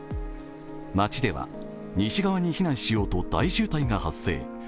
町では、西側に避難しようと大渋滞が発生。